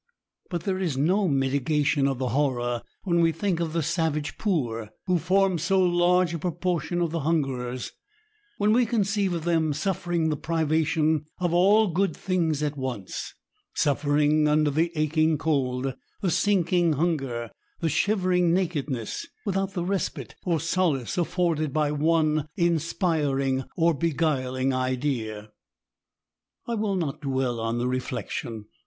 But there is no mitigation of the horror when we think of the savage poor, who form so large a proportion of the hungerers, — when we conceive of them suffering the privation of all good things at once, — suffering under the aching cold, the sinking hunger, the shivering nakedness, — without the respite or solace afforded by one inspiring or beguiling idea. I will not dwell on the reflection.